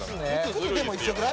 靴でも一緒ぐらい？